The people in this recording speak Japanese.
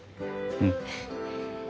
うん。